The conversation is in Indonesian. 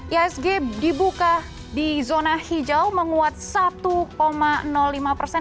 ihsg dibuka di zona hijau menguat satu lima persen